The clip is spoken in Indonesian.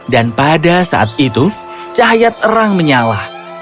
dan pada saat itu cahaya terang menyalah